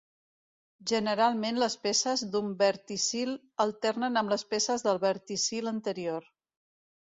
Generalment les peces d'un verticil alternen amb les peces del verticil anterior.